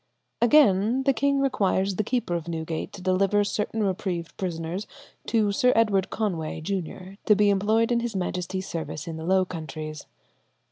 Again, the king requires the keeper of Newgate to deliver certain reprieved prisoners to Sir Edward Conway, Junior, to be employed in his Majesty's service in the Low Countries.